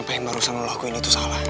apa yang barusan lo lakuin itu salah